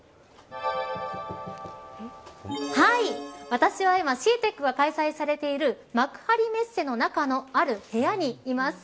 はい、私は今ＣＥＡＴＥＣが開催されている幕張メッセの中のある部屋にいます。